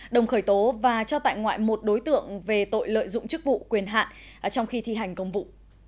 đồng khởi tố và cho tại ngoại một đối tượng về tội lợi dụng chức vụ quyền hạn trong khi thi hành công vụ